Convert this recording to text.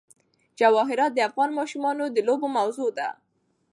جواهرات د افغان ماشومانو د لوبو موضوع ده.